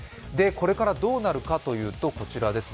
これからどうなるかというと、こちらです。